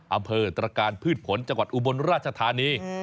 อำเภอตรการพืชผลจังหวัดอุบลราชธานี